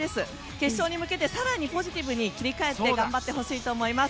決勝に向けて更にポジティブに切り替えて頑張ってほしいと思います。